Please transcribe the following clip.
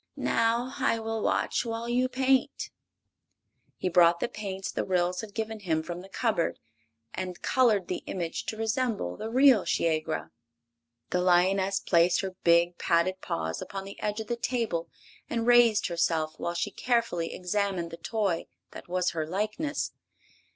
"Now I will watch while you paint." He brought the paints the Ryls had given him from the cupboard and colored the image to resemble the real Shiegra. The lioness placed her big, padded paws upon the edge of the table and raised herself while she carefully examined the toy that was her likeness.